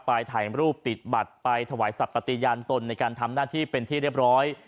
ถ่ายรูปปิดบัตรไปถวายสัตว์ปฏิญาณตนในการทำหน้าที่เป็นที่เรียบร้อย